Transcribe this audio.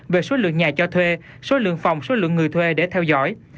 về số lượng nhà cho thuê số lượng phòng số lượng người thuê để theo dõi